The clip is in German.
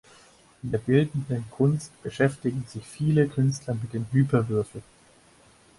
In der Bildenden Kunst beschäftigen sich viele Künstler mit dem Hyperwürfel.